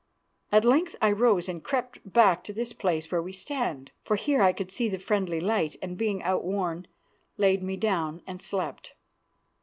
At length I rose and crept back to this place where we stand, for here I could see the friendly light, and being outworn, laid me down and slept.